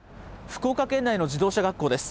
福岡県内の自動車学校です。